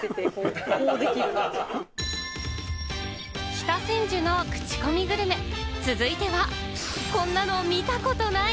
北千住のクチコミグルメ、続いては、こんなの見たことない！